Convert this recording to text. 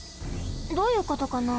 どういうことかな？